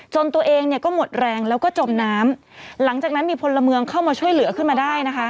ตัวเองเนี่ยก็หมดแรงแล้วก็จมน้ำหลังจากนั้นมีพลเมืองเข้ามาช่วยเหลือขึ้นมาได้นะคะ